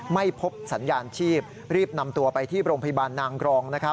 ไม่พบสัญญาณชีพรีบนำตัวไปที่โรงพยาบาลนางกรอง